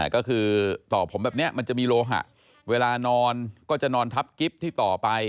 ก็คือต่อผมแบบนี้มันจะมีโลหะเวลานอนก็จะนอนทับกิ๊บที่ต่อไป